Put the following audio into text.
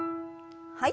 はい。